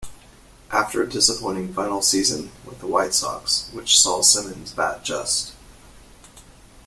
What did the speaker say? After a disappointing final season with the White Sox which saw Simmons bat just.